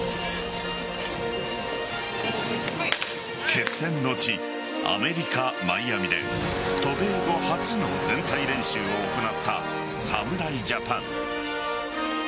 決戦の地アメリカ・マイアミで渡米後初の全体練習を行った侍ジャパン。